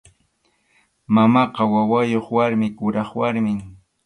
Mamaqa wawayuq warmi, kuraq warmim.